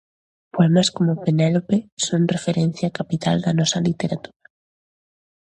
Poemas como "Penélope", son referencia capital da nosa literatura.